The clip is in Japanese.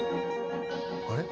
あれ？